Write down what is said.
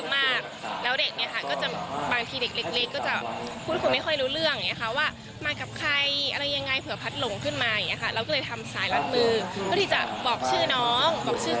ไม่ต้องใช้หลักฐานอะไรทั้งสิ้น